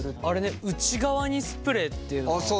あれね内側にスプレーっていうのは？